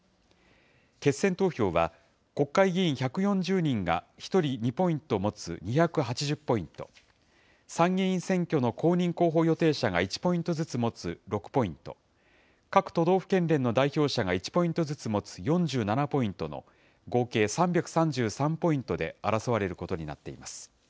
決選投票は、国会議員１４０人が１人２ポイントを持つ２８０ポイント、参議院選挙の公認候補予定者が１ポイントずつ持つ６ポイント、各都道府県連の代表者が１ポイントずつ持つ４７ポイントの、合計３３３ポイントで争われることになっています。